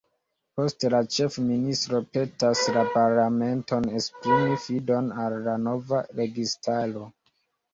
Poste la ĉefministro petas la parlamenton esprimi fidon al la nova registaro.